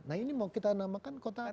nah ini mau kita namakan kota